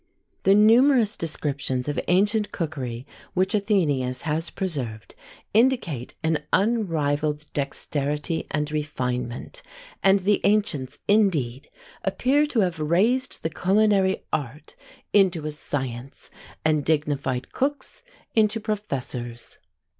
The numerous descriptions of ancient cookery which AthenÃḊus has preserved indicate an unrivalled dexterity and refinement: and the ancients, indeed, appear to have raised the culinary art into a science, and dignified cooks into professors.